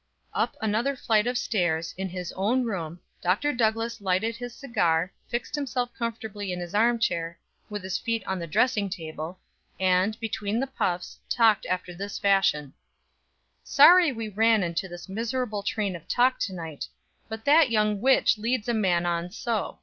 Up another flight of stairs, in his own room, Dr. Douglass lighted his cigar, fixed himself comfortably in his arm chair, with his feet on the dressing table, and, between the puffs, talked after this fashion: "Sorry we ran into this miserable train of talk to night; but that young witch leads a man on so.